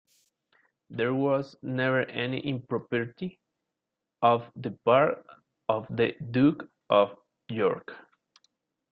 There was never any impropriety on the part of The Duke of York.